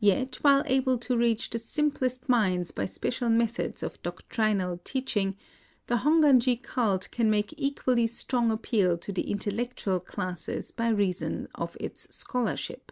Yet while able to reach the simplest minds by special methods of doctrinal teach ing, the Hongwanji cult can make equally strong appeal to the intellectual classes by reason of its scholarship.